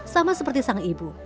sama seperti sang ibu